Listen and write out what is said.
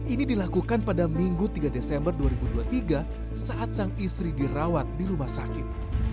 ini dilakukan pada minggu tiga desember dua ribu dua puluh tiga saat sang istri dirawat di rumah sakit